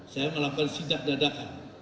saya melakukan sidak dadakan